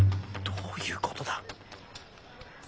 どういうことだ。